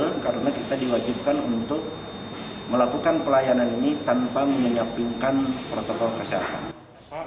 karena kita diwajibkan untuk melakukan pelayanan ini tanpa menyapingkan protokol kesehatan